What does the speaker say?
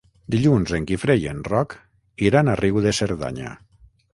Dilluns en Guifré i en Roc iran a Riu de Cerdanya.